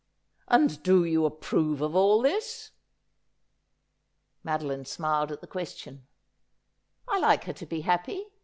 ' And do you approve of all this ?' 86 Asphodel. Madoline smiled at th« question. ' I like her to be happy.